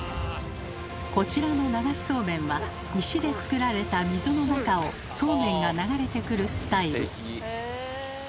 こちらの流しそうめんは石で作られた溝の中をそうめんが流れてくるスタイル。